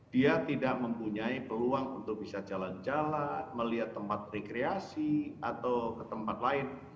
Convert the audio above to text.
dia tidak mempunyai peluang untuk bisa jalan jalan melihat tempat rekreasi atau ke tempat lain